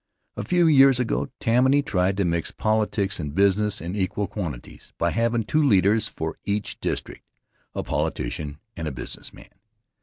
A few years ago Tammany tried to mix politics and business in equal quantities, by havin' two leaders for each district, a politician and a business man.